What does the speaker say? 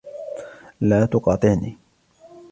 لا تقاطعني